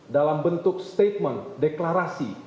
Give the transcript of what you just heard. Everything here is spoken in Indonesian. dalam bentuk statement deklarasi